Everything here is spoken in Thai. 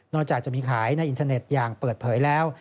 จากจะมีขายในอินเทอร์เน็ตอย่างเปิดเผยแล้ว